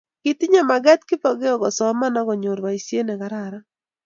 Kitinye maget Kipokeo kosoman akonyor boisiet nekararan